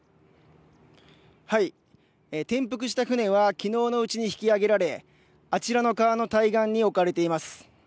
転覆した舟は昨日のうちに引き揚げられ、あちらの川の対岸に置かれています。